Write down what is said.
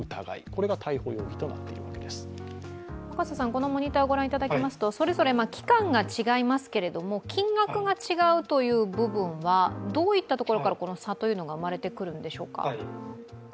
このモニターを御覧いただきますと、それぞれ期間が違いますけど金額が違うという部分はどういったところからこの差というのは生まれてくるのでしょうか。